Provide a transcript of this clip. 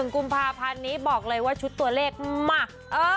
กุมภาพันธ์นี้บอกเลยว่าชุดตัวเลขมาก